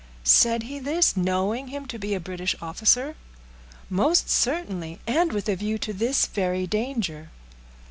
"Said he this, knowing him to be a British officer?" "Most certainly; and with a view to this very danger."